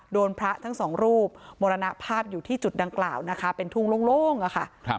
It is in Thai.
พระทั้งสองรูปมรณภาพอยู่ที่จุดดังกล่าวนะคะเป็นทุ่งโล่งอะค่ะ